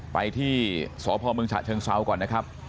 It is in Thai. ไปที่สพเมืองฉะเชิงเซาก่อนนะครับ